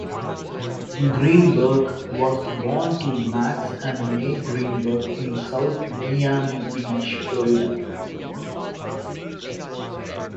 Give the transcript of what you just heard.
Greenberg was born to Max and Mae Greenberg in South Miami Beach, Florida.